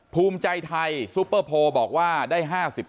ภูมิใจไทยซุปเปอร์โพลบอกว่าได้๕๘